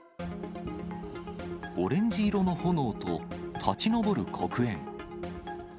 オレンジ色の炎と、立ち上る黒煙。